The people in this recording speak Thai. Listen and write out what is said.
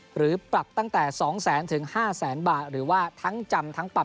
หรือปรับตั้งแต่๒แสนถึง๕แสนบาทหรือว่าทั้งจำทั้งปรับ